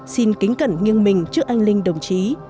xin kính cẩn nghiêng mình trước anh linh đồng chí